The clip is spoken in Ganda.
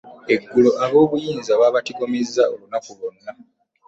Eggulo ab'obuyinza babatigomezza olunaku lw'onna